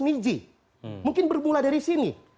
niji mungkin bermula dari sini